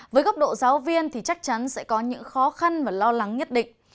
với góc độ giáo viên thì chắc chắn sẽ có những khó khăn và lo lắng nhất định